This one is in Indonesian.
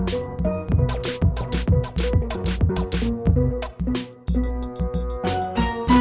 mungkin mereka sudah rindu banget gitu